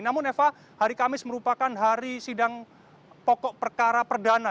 namun eva hari kamis merupakan hari sidang pokok perkara perdana